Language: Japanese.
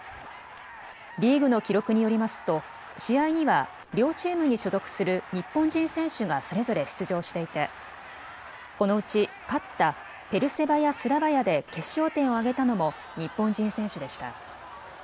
リーグの記録によりますと試合には両チームに所属する日本人選手がそれぞれ出場していてこのうち勝ったペルセバヤ・スラバヤで決勝点を挙げたのも日本人選手でした。